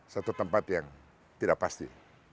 satu tempat yang tidak pasti